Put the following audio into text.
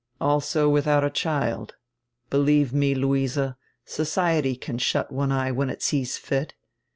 '" "Also widiout a child. Believe me, Luise, 'society' can shut one eye when it sees fit.